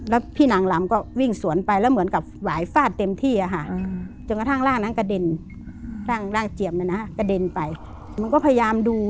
มันก็พยายามดู